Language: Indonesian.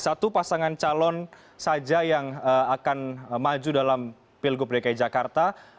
satu pasangan calon saja yang akan maju dalam pilgub dki jakarta